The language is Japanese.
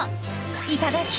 いただき！